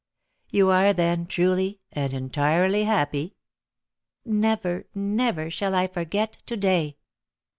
"You are, then, truly and entirely happy?" "Never, never shall I forget to day."